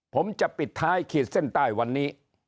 ผมจะปิดท้ายขีดเส้นใต้วันนี้